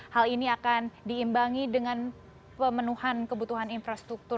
hal ini akan diimbangi dengan pemenuhan kebutuhan infrastruktur